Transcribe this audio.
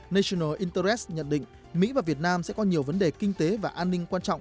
national interres nhận định mỹ và việt nam sẽ có nhiều vấn đề kinh tế và an ninh quan trọng